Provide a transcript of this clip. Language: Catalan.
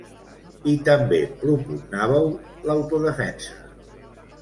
I també propugnàveu l’autodefensa.